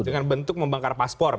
dengan bentuk membangkar paspor